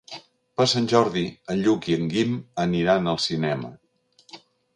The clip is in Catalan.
Per Sant Jordi en Lluc i en Guim aniran al cinema.